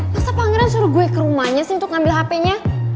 masa pangeran suruh gue ke rumahnya sih untuk ngambil hp nya